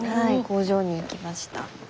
工場に行きました。